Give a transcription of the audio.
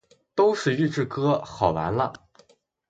都是预制歌，好完了